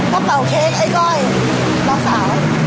ก็เป่าเค้กไอ้ก้อยน้องสาว